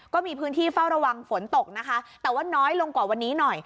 ก็มีพื้นที่เฝ้าระวังฝนตกนะคะแต่ว่าน้อยลงกว่าวันนี้หน่อย